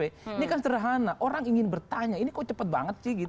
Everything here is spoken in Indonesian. ini kan sederhana orang ingin bertanya ini kok cepet banget sih gitu